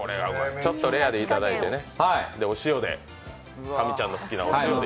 ちょっとレアでいただいて、神ちゃんの好きなお塩で。